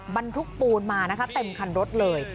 บรรทุกปูนมานะคะเต็มคันรถเลย